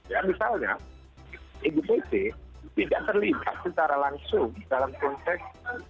ya misalnya igpj tidak terlibat secara langsung dalam konteks